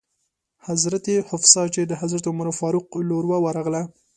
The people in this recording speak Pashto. حضرت حفصه چې د حضرت عمر فاروق لور وه ورغله.